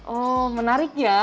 oh menarik ya